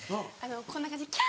こんな感じにキャ！